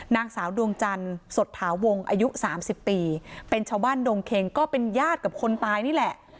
นางสาวดวงจันทร์สดถาวงอายุ๓๐ปีเป็นชาวบ้านดงเค็งก็เป็นญาติกับคนตายนี่แหละ